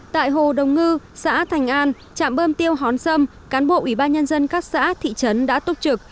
tại hồ đồng ngư xã thành an trạm bơm tiêu hón sâm cán bộ ủy ban nhân dân các xã thị trấn đã túc trực